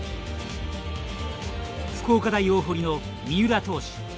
福岡大大濠の三浦投手。